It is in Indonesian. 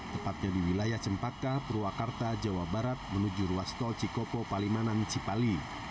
tepatnya di wilayah cempaka purwakarta jawa barat menuju ruas tol cikopo palimanan cipali